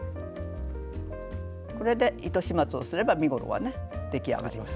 これで糸始末をすれば身ごろは出来上がりです。